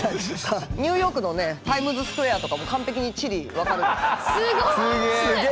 ニューヨークのねタイムズスクエアとかも完璧に地理分かる。